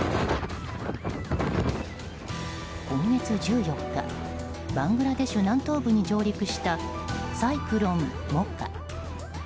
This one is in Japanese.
今月１４日バングラデシュ南東部に上陸したサイクロン、モカ。